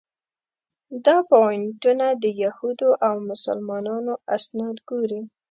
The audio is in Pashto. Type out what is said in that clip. دا پواینټونه د یهودو او مسلمانانو اسناد ګوري.